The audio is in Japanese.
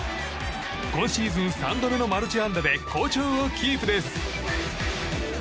今シーズン３度目のマルチ安打で好調をキープです。